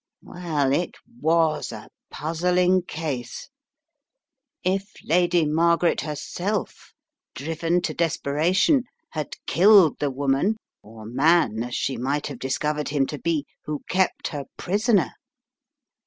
Well, it was a puzzling case. If Lady Margaret herself, driven to despera tion, had killed the woman ™ man, as she might have discovered him to be — who kept her prisoner?